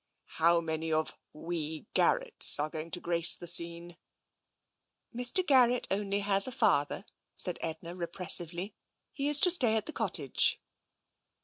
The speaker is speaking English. " How many of ' we Garretts ' are going to grace the scene?" " Mr. Garrett only has a father," said Edna repres sively. " He is to stay at the cottage."